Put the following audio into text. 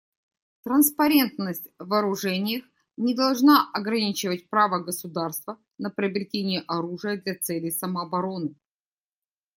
Транспарентность в вооружениях не должна ограничивать право государства на приобретение оружия для целей самообороны.